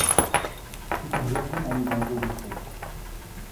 Tyto hvězdy mají velmi velkou hustotu.